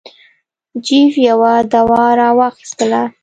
جیف یوه دوا را واخیستله.